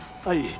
はい。